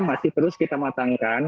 masih terus kita matangkan